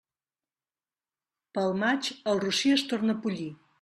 Pel maig, el rossí es torna pollí.